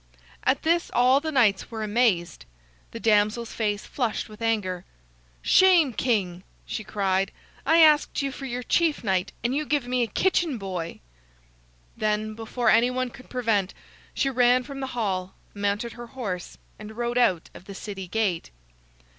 At this all the knights were amazed. The damsel's face flushed with anger. "Shame, King!" she cried. "I asked you for your chief knight, and you give me a kitchen boy!" Then, before any one could prevent, she ran from the hall, mounted her horse, and rode out of the city gate.